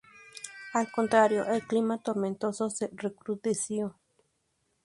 Al contrario: el clima tormentoso se recrudeció.